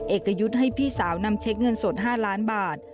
เอกยุทธ์ให้พี่สาวนำเช็คเงินสด๕ล้านบาท